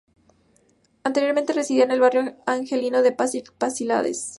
Anteriormente residían en el barrio angelino de Pacific Palisades.